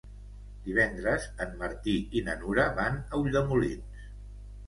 Divendres en Martí i na Nura van a Ulldemolins.